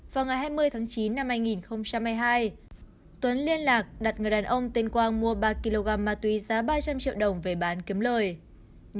vào ngày hai mươi tháng chín năm hai nghìn hai mươi hai tuấn liên lạc đặt người đàn ông tên quang mua ba kg ma túy giá ba trăm linh triệu đồng về bán kiếm lời